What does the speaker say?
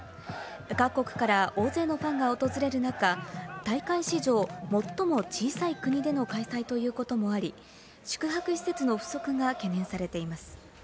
各国から大勢のファンが訪れる中、大会史上、最も小さい国での開催ということもあり、宿泊施設の不足が懸念されています。